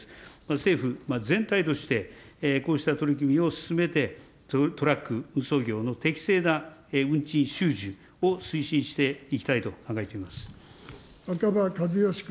政府全体として、こうした取り組みを進めて、トラック・運送業の適正な運賃収受を推進していきたいと考えてお赤羽一嘉君。